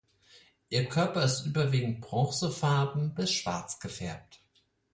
Ihr Körper ist überwiegend bronzefarben bis schwarz gefärbt.